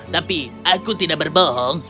tapi aku tidak berbohong